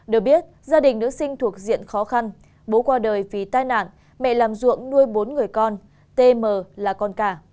được biết gia đình nữ sinh thuộc diện khó khăn bố qua đời vì tai nạn mẹ làm ruộng nuôi bốn người con tm là con cả